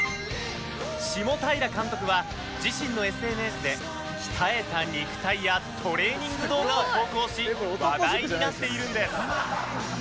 下平監督は自身の ＳＮＳ で鍛えた肉体やトレーニング動画を投稿し話題になっているんです